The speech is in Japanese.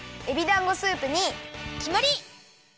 えびだんごスープにきまり！